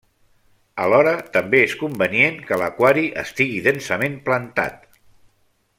Alhora també és convenient que l'aquari estigui densament plantat.